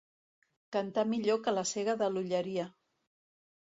Cantar millor que la cega de l'Olleria.